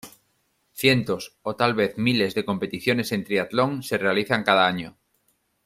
Cientos o tal vez miles de competiciones en triatlón se realizan cada año.